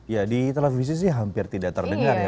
ya di televisi sih hampir tidak terdengar ya